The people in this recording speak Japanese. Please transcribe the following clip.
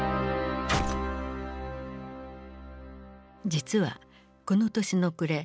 実はこの年の暮れ